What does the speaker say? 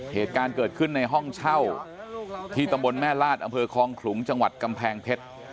เหตุการณ์เกิดขึ้นในห้องเช่าที่ตำบลแม่ลาดอำเภอคลองขลุงจังหวัดกำแพงเพชร